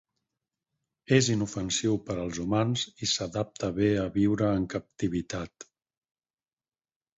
És inofensiu per als humans i s'adapta bé a viure en captivitat.